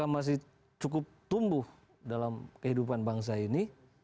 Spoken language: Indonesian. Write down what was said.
masih cukup tumbuh dalam kehidupan bangsa ini